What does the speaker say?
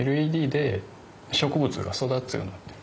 ＬＥＤで植物が育つように。